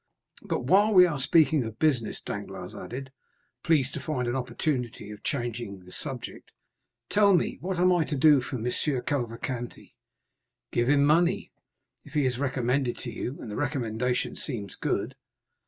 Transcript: "But, while we are speaking of business," Danglars added, pleased to find an opportunity of changing the subject, "tell me what I am to do for M. Cavalcanti." "Give him money, if he is recommended to you, and the recommendation seems good."